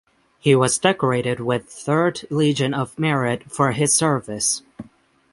He was decorated with third Legion of Merit for his service.